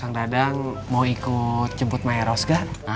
kang dadang mau ikut jemput maeros gak